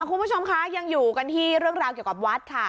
คุณผู้ชมคะยังอยู่กันที่เรื่องราวเกี่ยวกับวัดค่ะ